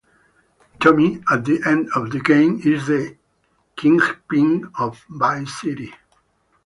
Tommy, at the end of the game, is the kingpin of Vice City.